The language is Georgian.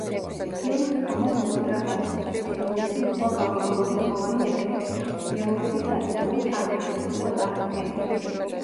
ფილმს ფონად მუსიკა გასდევს, მცირეოდენი სხვა გაურკვეველი ხმოვანი ეფექტებით; დიალოგები სატიტულო ჩანართებით იყო წარმოდგენილი.